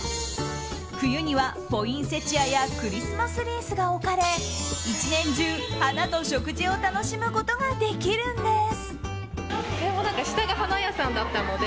冬にはポインセチアやクリスマスリースが置かれ１年中、花と食事を楽しむことができるんです。